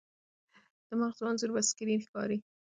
د مغزو انځور په سکرین ښکاري.